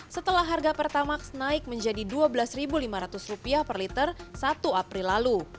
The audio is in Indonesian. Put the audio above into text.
setelah harga pertamax naik menjadi rp dua belas lima ratus per liter satu april lalu